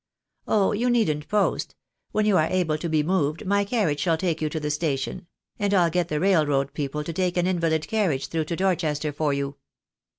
"Oh, you needn't post. When you are able to be moved, my carriage shall take you to the station; and I'll get the railroad people to take an invalid carriage through to Dorchester for you."